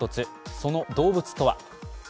その動物とは？